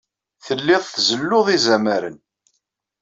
Telliḍ tzelluḍ izamaren.